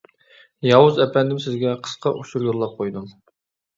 ياۋۇز ئەپەندىم سىزگە قىسقا ئۇچۇر يوللاپ قويدۇم.